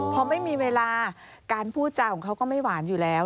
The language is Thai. พอไม่มีเวลาการพูดจาของเขาก็ไม่หวานอยู่แล้ว